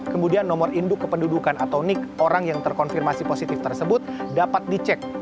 kemudian nomor induk kependudukan atau nik orang yang terkonfirmasi positif tersebut dapat dicek